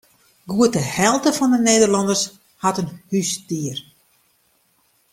Goed de helte fan de Nederlanners hat in húsdier.